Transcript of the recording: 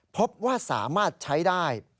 พบว่าสามารถใช้ได้